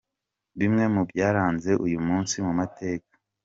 Bimwe mu byaranze uyu munsi mu mateka .